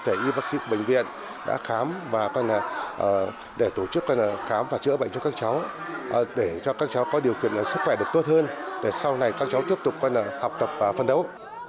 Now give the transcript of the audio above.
các thầy y bác sĩ của bệnh viện đã khám và để tổ chức khám và chữa bệnh cho các cháu để cho các cháu có điều kiện sức khỏe được tốt hơn để sau này các cháu tiếp tục học tập và phân đấu